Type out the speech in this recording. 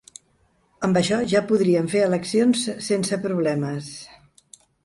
Amb això ja podríem fer eleccions sense problemes.